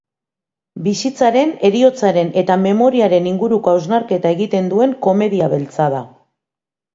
Bizitzaren, heriotzaren eta memoriaren inguruko hausnarketa egiten duen komedia beltza da.